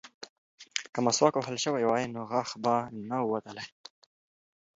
که مسواک وهل شوی وای نو غاښ به نه ووتلی.